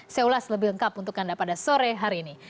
seolah selebih lengkap untuk anda pada sore hari ini